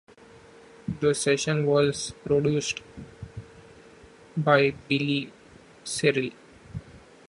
The session was produced by Billy Sherrill.